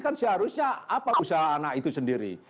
kan seharusnya apa usaha anak itu sendiri